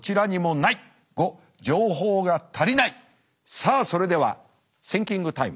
さあそれではシンキングタイム。